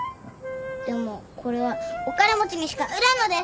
でもこれはお金持ちにしか売らんのです。